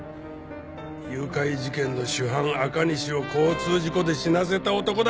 誘拐事件の主犯赤西を交通事故で死なせた男だ！